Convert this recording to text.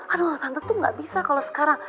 aduh tante tuh gak bisa kalau sekarang